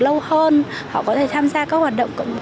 lâu hơn họ có thể tham gia các hoạt động